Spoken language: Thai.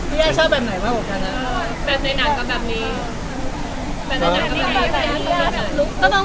พี่ย่าชอบแบบไหนมากกว่านั้น